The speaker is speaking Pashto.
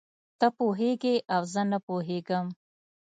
ته پوهېږې او زه نه پوهېږم.